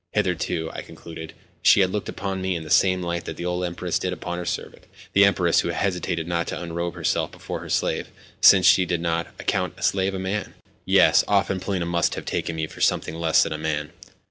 Hitherto (I concluded) she had looked upon me in the same light that the old Empress did upon her servant—the Empress who hesitated not to unrobe herself before her slave, since she did not account a slave a man. Yes, often Polina must have taken me for something less than a man!"